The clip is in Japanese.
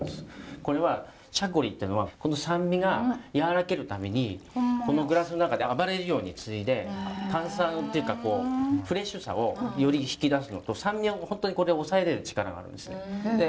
これはチャコリっていうのはこの酸味が和らげるためにこのグラスの中で暴れるようについで炭酸っていうかフレッシュさをより引き出すのと酸味を本当にこれ抑えれる力があるんですよ。